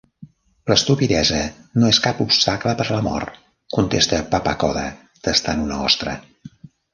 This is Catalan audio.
"L'estupidesa no és cap obstacle per l'amor", contesta Pappacoda, tastant una ostra.